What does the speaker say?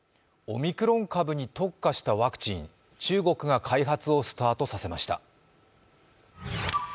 オミクロン株に特化したワクチン、中国が開発をスタートさせました。